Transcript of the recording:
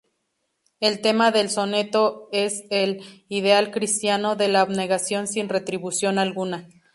El tema del soneto es el ideal cristiano de la abnegación sin retribución alguna.